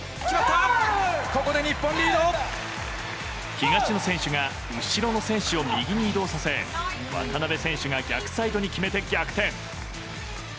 東野選手が後ろの選手を右に移動させ渡辺選手が逆サイドに決めて逆転。